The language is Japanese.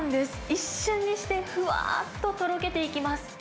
一瞬にしてふわーっととろけていきます。